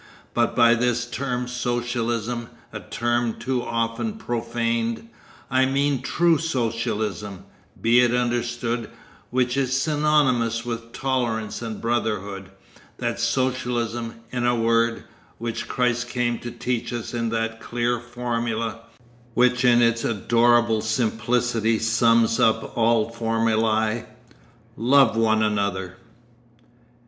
But by this term socialism, a term too often profaned, I mean true socialism, be it understood, which is synonymous with tolerance and brotherhood, that socialism, in a word, which Christ came to teach us in that clear formula, which in its adorable simplicity sums up all formulæ, "Love one another."